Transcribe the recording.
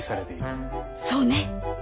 そうね。